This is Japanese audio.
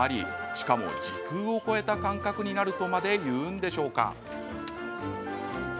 しかも時空を超えた感覚になるとまで言うんでしょうか？